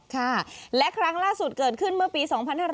ค่ะและครั้งล่าสุดเกิดขึ้นเมื่อปี๒๕๕๙